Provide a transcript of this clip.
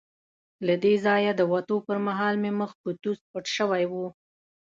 له دې ځایه د وتو پر مهال مې مخ په توس پټ شوی وو.